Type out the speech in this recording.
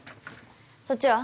そっちは？